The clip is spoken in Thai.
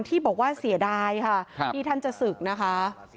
ที่บอกว่าเสียดายค่ะที่ท่านจะศึกนะคะ